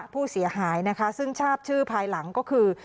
ผู้เสียหายนะคะซึ่งทราบชื่อภายหลังก็คือ